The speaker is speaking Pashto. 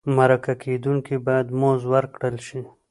مرکه کېدونکی باید مزد ورکړل شي.